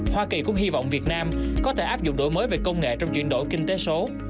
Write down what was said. hoa kỳ cũng hy vọng việt nam có thể áp dụng đổi mới về công nghệ trong chuyển đổi kinh tế số